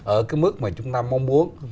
ở cái mức mà chúng ta mong muốn